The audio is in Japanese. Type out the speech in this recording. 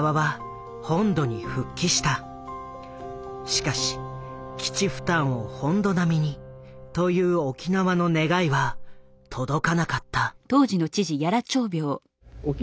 しかし基地負担を本土並みにという沖縄の願いは届かなかった。